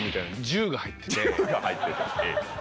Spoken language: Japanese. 銃が入ってて。